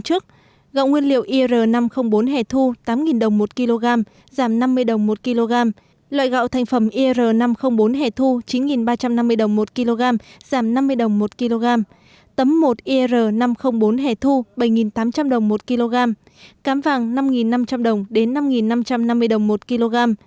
hôm trước gạo nguyên liệu ir năm trăm linh bốn hẻ thu tám đồng một kg giảm năm mươi đồng một kg loại gạo thành phẩm ir năm trăm linh bốn hẻ thu chín ba trăm năm mươi đồng một kg giảm năm mươi đồng một kg tấm một ir năm trăm linh bốn hẻ thu bảy tám trăm linh đồng một kg cám vàng năm năm trăm linh đồng đến năm năm trăm năm mươi đồng một kg